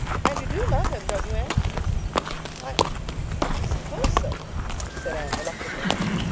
"And you do love him, don't you, Anne?" "I—I suppose so," said Anne reluctantly.